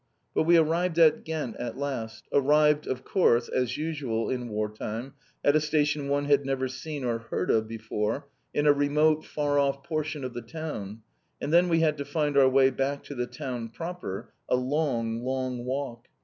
But we arrived at Ghent at last, arrived of course, as usual in war time, at a station one had never seen or heard of before, in a remote, far off portion of the town, and then we had to find our way back to the town proper, a long, long walk.